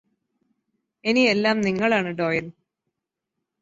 ഇനി എല്ലാം നിങ്ങളാണ് ഡോയൽ